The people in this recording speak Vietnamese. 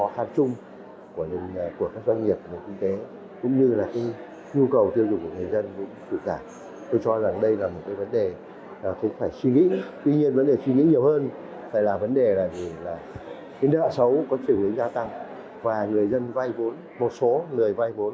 tại vì nợ xấu có trường hướng gia tăng và người dân vai vốn một số người vai vốn là có biểu hiện chơi gì không trả nợ cố tình không trả nợ